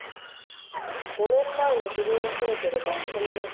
「５年前の不倫を責めてるマスコミの方が異常」とか。